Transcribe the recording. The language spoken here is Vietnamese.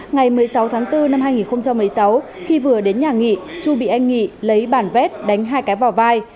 ngày một mươi sáu tháng bốn năm hai nghìn một mươi sáu khi vừa đến nhà nghị chu bị anh nghị lấy bản vét đánh hai cái vào vai